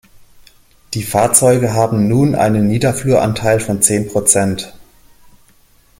Die Fahrzeuge haben nun einen Niederfluranteil von zehn Prozent.